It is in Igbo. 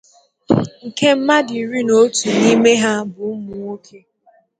nke mmadụ iri na ótù n'ime ha bụ ụmụnwoke